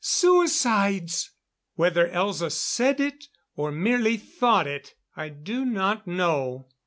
"Suicides!" Whether Elza said it, or merely thought it I do not know.